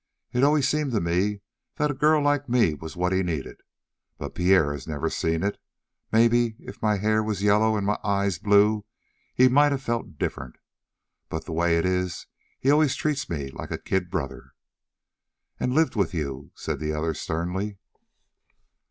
It always seemed to me that a girl like me was what he needed. But Pierre had never seen it. Maybe, if my hair was yellow an' my eyes blue, he might have felt different; but the way it is, he's always treated me like a kid brother " "And lived with you?" said the other sternly.